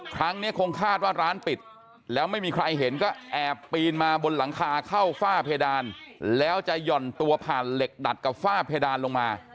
ครั้งนี้คงคาดว่าร้านปิดแล้วไม่มีใครเห็นก็แอบปีนมาบนหลังคาเข้าฝ้าเพดานแล้วจะหย่อนตัวผ่านเหล็กดัดกับฝ้าเพดานลงมา